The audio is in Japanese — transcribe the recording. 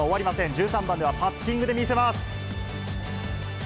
１３番ではパッティングで見せます。